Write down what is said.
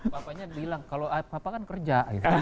papanya bilang kalau papa kan kerja